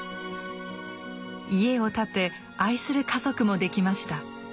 家を建て愛する家族もできました。